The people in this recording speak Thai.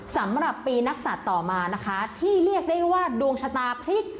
สำหรับปีนักศัตริย์ต่อมานะคะที่เรียกได้ว่าดวงชะตาพลิก